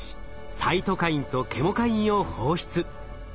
サイトカインとケモカインを放出。